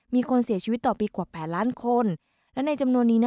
มีคนเสียชีวิตต่อปีกว่า๘ล้านคนและในจำนวนนี้